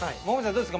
どうですか？